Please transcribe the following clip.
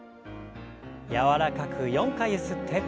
柔らかく４回ゆすって。